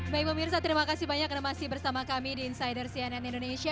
baik pemirsa terima kasih banyak karena masih bersama kami di insider cnn indonesia